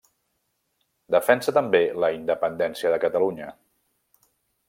Defensa també la independència de Catalunya.